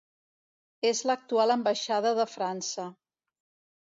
És l'actual ambaixada de França.